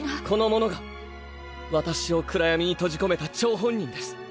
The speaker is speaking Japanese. この者が私を暗闇に閉じ込めた張本人です。